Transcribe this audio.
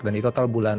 dan di total bulan